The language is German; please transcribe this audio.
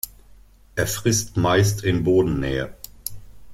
Er frisst meist in Bodennähe.